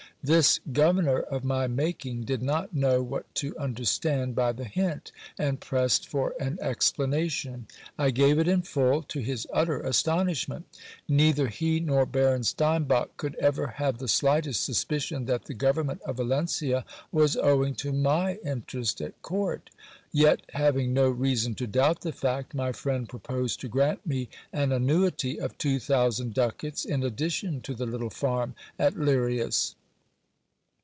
This governor of my making did not know what to understand by the hint, and pressed for an explanation. I gave it in full, to his utter astonishment. Nei ther he nor Baron Steinbach could ever have the slightest suspicion that the government of Valencia was owing to my interest at court. Yet having no reason to doubt the fact, my friend proposed to grant me an annuity of two thousand ducats, in addition to the little farm at Lirias.